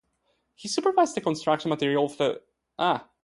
He supervised construction of the Lincoln Memorial.